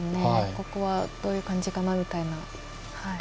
ここはどういう感じかなみたいな。